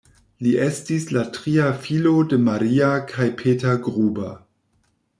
Li estis la tria filo de Maria kaj Peter Gruber.